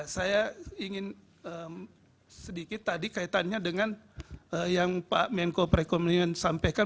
saya ingin sedikit tadi kaitannya dengan yang pak menko perekonomian sampaikan